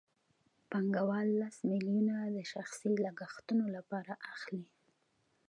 پانګوال لس میلیونه د شخصي لګښتونو لپاره اخلي